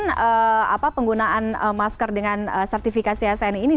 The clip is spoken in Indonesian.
kemudian penggunaan masker dengan sertifikasi sni ini